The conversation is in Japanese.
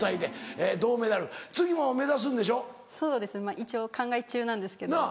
一応考え中なんですけど。なぁ。